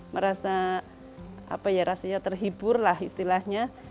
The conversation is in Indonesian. merasa apa ya rasanya terhibur lah istilahnya